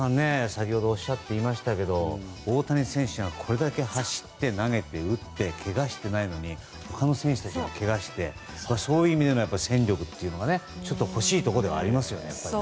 先ほどおっしゃっていましたけど大谷選手がこれだけ走って、投げて、打ってけがしてないのに他の選手たちはけがしてそういう意味でも戦力が欲しいなと思いますよね。